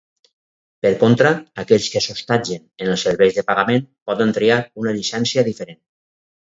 Per contra, aquells que s'hostatgen en els serveis de pagament poden triar una llicència diferent.